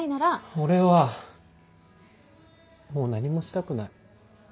俺はもう何もしたくない。